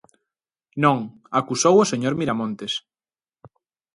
Non, acusou ao señor Miramontes.